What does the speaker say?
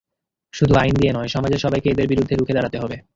শুধু আইন দিয়ে নয়, সমাজের সবাইকে এদের বিরুদ্ধে রুখে দাঁড়াতে হবে।